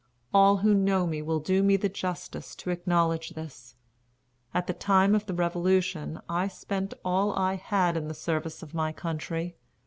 All who know me will do me the justice to acknowledge this. At the time of the revolution, I spent all I had in the service of my country.